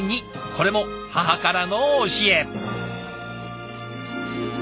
これも母からの教え。